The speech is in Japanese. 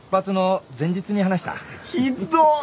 ひどっ。